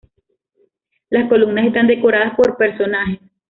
Las columnas están decoradas por personajes.